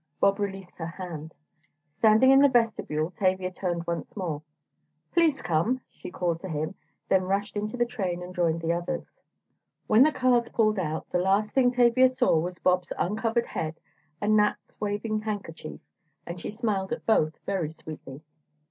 Bob released her hand. Standing in the vestibule, Tavia turned once more: "Please come," she called to him, then rushed into the train and joined the others. When the cars pulled out, the last thing Tavia saw was Bob's uncovered head and Nat's waving handkerchief, and she smiled at both very sweetly.